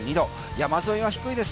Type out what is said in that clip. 山沿いは低いです。